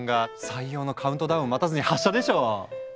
採用のカウントダウンを待たずに発射でしょう！